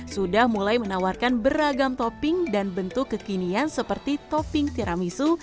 sudah mulai menawarkan beragam topping dan bentuk kekinian seperti topping tiramisu